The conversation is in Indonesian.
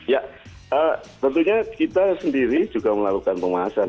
ya tentunya kita sendiri juga melakukan pembahasan